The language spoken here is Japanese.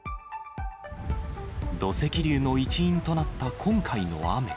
土石流の一因となった今回の雨。